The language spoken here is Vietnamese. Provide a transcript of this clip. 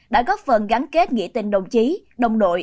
đã góp phần gắn kết nghĩa tình đồng chí đồng đội